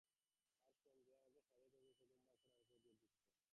আর শোন, যে আমাকে সাড়িয়ে তুলেছে, সে ধূমপান করার উপর জোর দিচ্ছে।